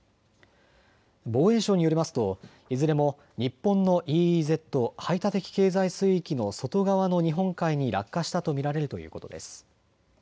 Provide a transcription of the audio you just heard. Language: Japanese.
防衛省によりますといずれも日本のＥＥＺ・排他的経済水域の外側の日本海に落下したと見られるということです。